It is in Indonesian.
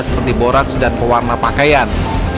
seperti boraks dan pewarna pakaian